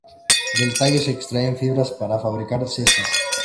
Del tallo se extraen fibras para fabricar cestas.